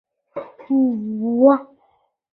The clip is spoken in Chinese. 传说尧在隆尧的尧山禅让帝位予舜。